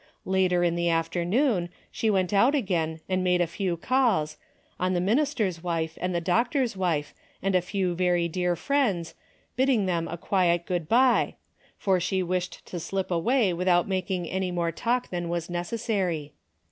Later in the afternoon, she went out again and made a few calls, on A DAILY rate:' 110 tli9 minister's wife and the doctor's wife and a few very dear friends, bidding them a quiet good bye, for she wished to slip awa}^ without making any more talk than was necessary.